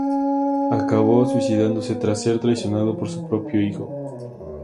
Acabó suicidándose tras ser traicionado por su propio hijo.